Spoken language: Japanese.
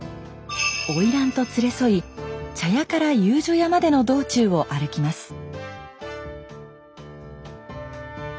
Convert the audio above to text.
花魁と連れ添い茶屋から遊女屋までの道中を歩きます。